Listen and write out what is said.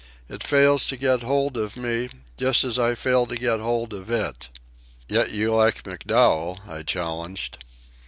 It fails to get hold of me, just as I fail to get hold of it." "Yet you like MacDowell," I challenged.